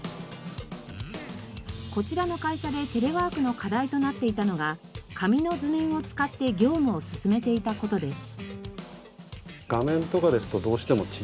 こちらの会社でテレワークの課題となっていたのが紙の図面を使って業務を進めていた事です。